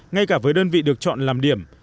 ngay cả với đơn vị được chọn làm điểm